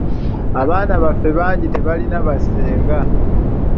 Abaana baffe bangi tebalina ba Ssenga.